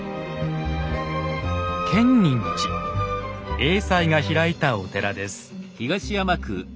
栄西が開いたお寺です。